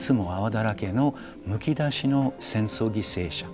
ケツも泡だらけのむき出しの戦争犠牲者。